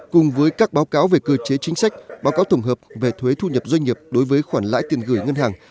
cùng với các báo cáo về cơ chế chính sách báo cáo tổng hợp về thuế thu nhập doanh nghiệp đối với khoản lãi tiền gửi ngân hàng